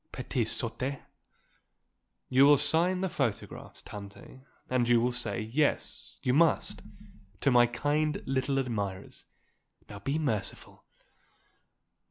Petites sottes." "You will sign the photographs, Tante and you will say, yes, you must 'To my kind little admirers.' Now be merciful."